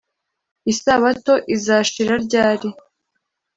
isabato izashira ryari,